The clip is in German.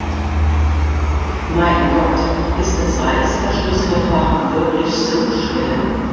Mein Gott, ist das Reißverschlussverfahren wirklich so schwer?